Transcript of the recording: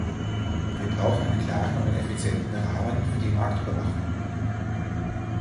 Wir brauchen einen klaren und effizienten Rahmen für die Marktüberwachung.